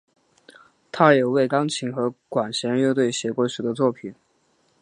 他也为钢琴和管弦乐队写过许多作品。